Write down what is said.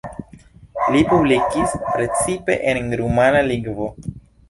Li publikis precipe en rumana lingvo.